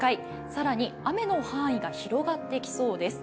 更に雨の範囲が広がってきそうです。